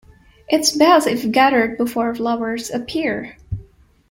It is best if gathered before flowers appear.